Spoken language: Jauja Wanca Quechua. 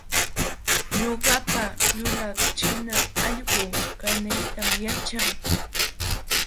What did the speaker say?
Ñuqapa yulaq china allquu kaniytam yaćhan